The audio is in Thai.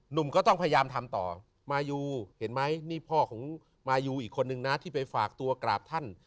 หนุ่มก็ต้องพยายามทำต่อมายูเห็นไหมนี่พ่อของมายูอีกคนนึงนะที่ไปฝากตัวกราบท่าน